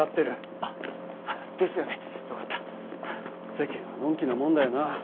世間はのんきなもんだよな。